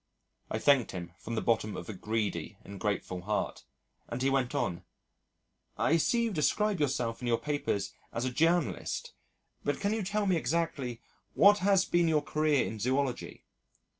I thanked him from the bottom of a greedy and grateful heart, and he went on, "I see you describe yourself in your papers as a journalist, but can you tell me exactly what has been your career in Zoology?"